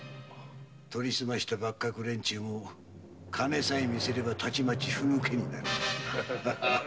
取り澄ました幕閣連中も金さえ見せればたちまちふぬけになる。